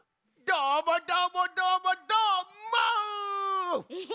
どーもどーもどーもどーも！え？